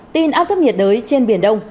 tin áp thấp nhiệt đới trên biển đông